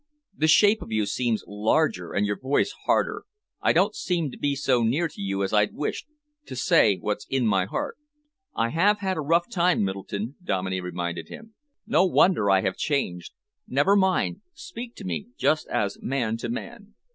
"The shape of you seems larger and your voice harder. I don't seem to be so near to you as I'd wished, to say what's in my heart." "I have had a rough time Middleton," Dominey reminded him. "No wonder I have changed! Never mind, speak to me just as man to man."